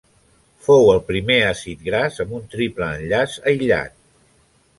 Fou el primer àcid gras amb un triple enllaç aïllat.